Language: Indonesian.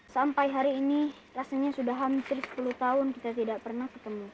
sampai hari ini rasanya sudah hampir sepuluh tahun kita tidak pernah ketemu